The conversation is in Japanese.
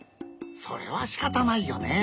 それはしかたないよね。